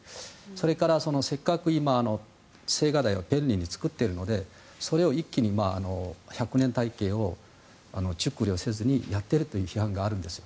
それからせっかく今青瓦台は便利に作っているのでそれを一気に１００年体系を熟慮せずにやっているという批判があるんです。